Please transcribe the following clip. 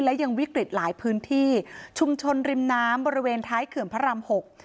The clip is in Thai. และยังวิกฤตหลายพื้นที่ชุมชนริมน้ำบริเวณท้ายเขื่อนพระรามหก